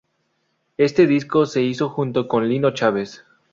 Este disco se hizo junto con Lino Chávez.